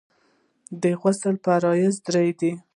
د غسل فرضونه درې دي.